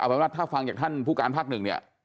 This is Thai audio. เป็นว่าถ้าฟังจากท่านผู้การภาคหนึ่งเนี่ย